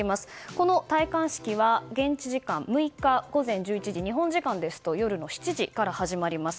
この戴冠式は現地時間６日午前１１時日本時間ですと夜の７時から始まります。